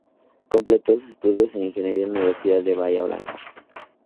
Completó sus estudios de ingeniería en la Universidad de Bahía Blanca.